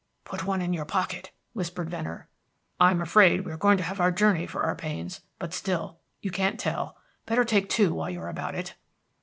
"Put one in your pocket," whispered Venner. "I'm afraid we are going to have our journey for our pains; but still, you can't tell. Better take two while you are about it."